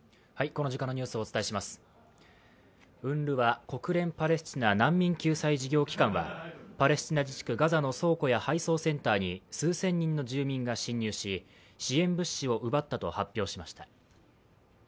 ＵＮＲＷＡ＝国連パレスチナ難民救済事業機関は、パレスチナ自治区ガザの倉庫や配送センターに数千人の住民が侵入し、支援物資を奪ったと発表しました。